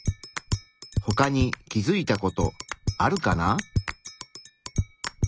ほかに気づいたことあるかな？